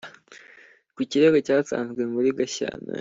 ku kirego cyatanzwe muri gashyantare